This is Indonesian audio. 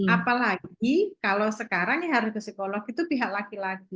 apalagi kalau sekarang yang harus psikolog itu pihak laki laki